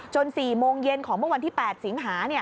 ๔โมงเย็นของเมื่อวันที่๘สิงหา